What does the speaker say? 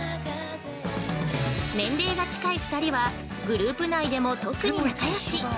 年が近い２人はグループ内でも特に仲よし。